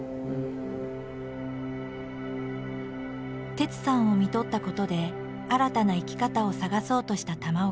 哲さんをみとったことで新たな生き方を探そうとした玉置。